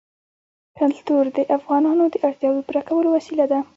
کلتور د افغانانو د اړتیاوو د پوره کولو وسیله ده.